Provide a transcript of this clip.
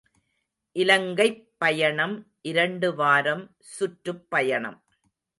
● இலங்கைப் பயணம் இரண்டு வாரம் சுற்றுப் பயணம்.